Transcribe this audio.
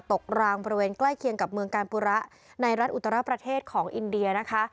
กลางบริเวณใกล้เคียงกับเมืองกาลปุระในรัฐอุตรประเทศของอินเดียนะคะ